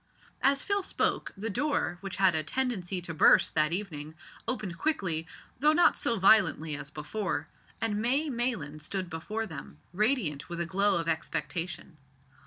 As Phil spoke, the door, which had a tendency to burst that evening, opened quickly, though not so violently as before, and May Maylands stood before them, radiant with a glow of expectation.